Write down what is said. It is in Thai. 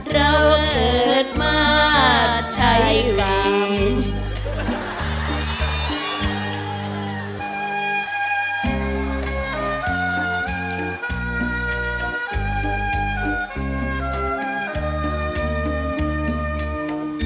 เราเกิดมาใช้เรา